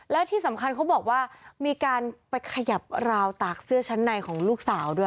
แล้วที่สำคัญเขาบอกว่ามีการไปขยับราวตากเสื้อชั้นในของลูกสาวด้วย